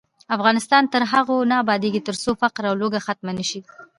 افغانستان تر هغو نه ابادیږي، ترڅو فقر او لوږه ختمه نشي.